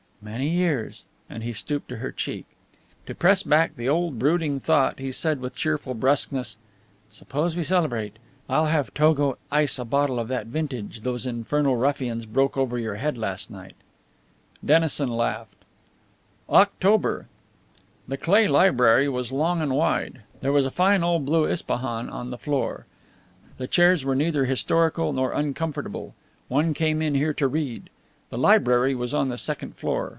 "Many years." And he stooped to her cheek. To press back the old brooding thought he said with cheerful brusqueness: "Suppose we celebrate? I'll have Togo ice a bottle of that vintage those infernal ruffians broke over your head last night." Dennison laughed. October. The Cleigh library was long and wide. There was a fine old blue Ispahan on the floor. The chairs were neither historical nor uncomfortable. One came in here to read. The library was on the second floor.